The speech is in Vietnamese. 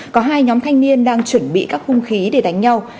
có hai nhóm thanh niên đang chuẩn bị các hung khí để đánh nhau